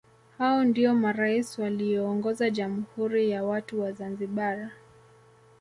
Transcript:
Hao ndio marais walioongoza Jamhuri ya watu wa Zanzibar